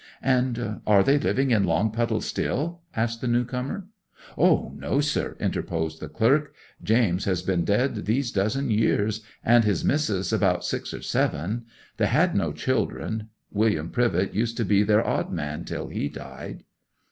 'And are they living in Longpuddle still?' asked the new comer. 'O no, sir,' interposed the clerk. 'James has been dead these dozen years, and his mis'ess about six or seven. They had no children. William Privett used to be their odd man till he died.